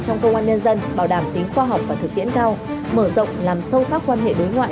trong công an nhân dân bảo đảm tính khoa học và thực tiễn cao mở rộng làm sâu sắc quan hệ đối ngoại